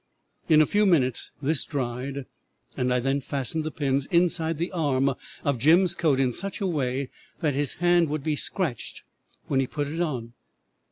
In a few minutes this dried, and I then fastened the pins inside the arm of Jim's coat in such a way that his hand would be scratched when he put it on.